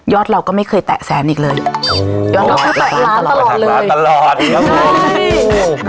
ยอดเราก็ไม่เคยแตะแสนอีกเลยโอ้ยอดเราก็แตะล้านตลอดเลยแตะล้านตลอดครับผมใช่